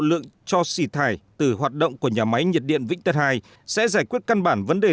lượng cho xỉ thải từ hoạt động của nhà máy nhiệt điện vĩnh tân hai sẽ giải quyết căn bản vấn đề